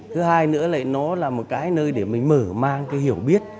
thứ hai nữa lại nó là một cái nơi để mình mở mang cái hiểu biết